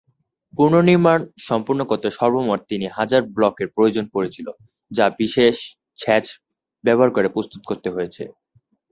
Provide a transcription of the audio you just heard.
পুনর্নির্মাণ সম্পন্ন করতে সর্বমোট তিন হাজার ব্লকের প্রয়োজন পড়েছিল যা বিশেষ ছাঁচ ব্যবহার করে প্রস্তুত করতে হয়েছে।